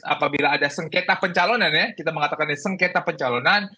apabila ada sengketa pencalonannya kita mengatakan ini sengketa pencalonan